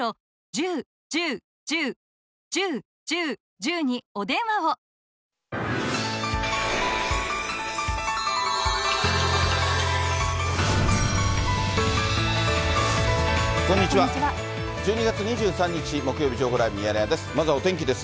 １２月２３日木曜日、情報ライブミヤネ屋です。